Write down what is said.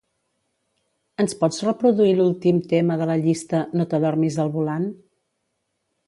Ens pots reproduir l'últim tema de la llista "no t'adormis al volant"?